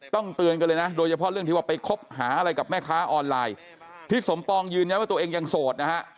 เตือนกันเลยนะโดยเฉพาะเรื่องที่ว่าไปคบหาอะไรกับแม่ค้าออนไลน์ที่สมปองยืนยันว่าตัวเองยังโสดนะฮะ